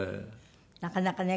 なかなかね